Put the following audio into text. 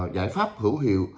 giải pháp hữu hiệu